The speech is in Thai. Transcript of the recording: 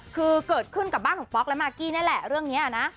คือเกิดขึ้นกับบ้านของป๊อกและมากกี้นั่นแหละเรื่องนี้นะ